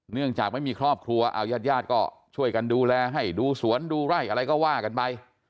เนื่องจากไม่มีครอบครัวเอายาดก็ช่วยกันดูแลให้ดูสวนดูไร่อะไรก็ว่ากันไป